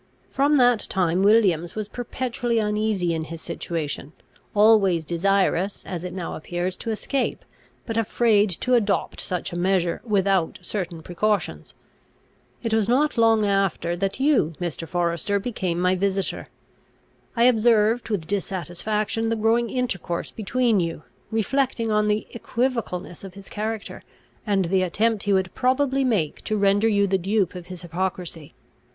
From that time Williams was perpetually uneasy in his situation, always desirous, as it now appears, to escape, but afraid to adopt such a measure without certain precautions. It was not long after, that you, Mr. Forester, became my visitor. I observed, with dissatisfaction, the growing intercourse between you, reflecting on the equivocalness of his character, and the attempt he would probably make to render you the dupe of his hypocrisy.